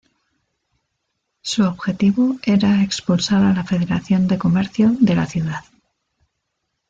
Su objetivo era expulsar a la Federación de Comercio de la ciudad.